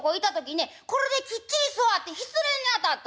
これできっちり座って失礼にあたった」。